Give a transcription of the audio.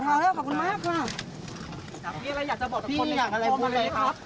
คนที่เคยว่าอะไรอย่างไรบ้าง